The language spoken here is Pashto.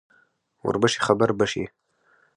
ـ وربشې خبر بشې.